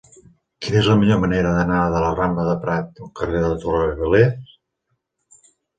Quina és la millor manera d'anar de la rambla de Prat al carrer de la Torre Vélez?